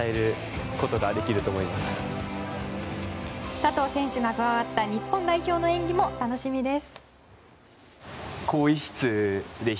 佐藤選手が加わった日本代表の演技も楽しみです。